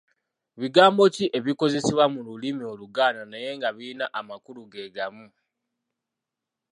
Bigambo ki ebikozesebwa mu lulimi Oluganda naye nga birina amakulu ge gamu?